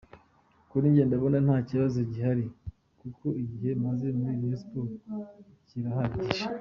Kuri njye ndabona nta kibazo gihari kuko igihe maze muri Rayon Sports kirahagije.